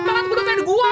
gelap banget kun